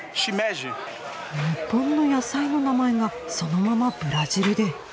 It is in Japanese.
日本の野菜の名前がそのままブラジルで。